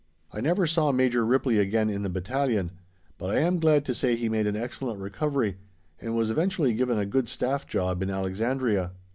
I never saw Major Ripley again in the battalion, but I am glad to say he made an excellent recovery, and was eventually given a good staff job in Alexandria.